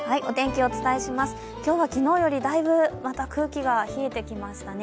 今日は昨日よりだいぶ空気が冷えてきましたね。